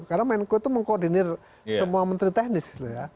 karena menko itu mengkoordinir semua menteri teknis